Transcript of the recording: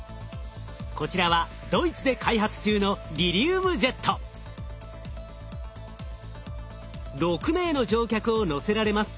こちらはドイツで開発中の６名の乗客を乗せられます。